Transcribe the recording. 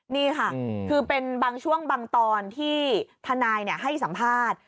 นี่ค่ะคือเป็นบางช่วงบางตอนที่ทนายให้สัมภาษณ์